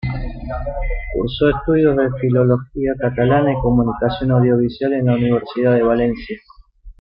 Cursó estudios de Filología Catalana y Comunicación Audiovisual en la Universidad de Valencia.